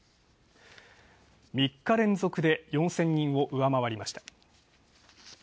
３日連続で４０００人を上回りました。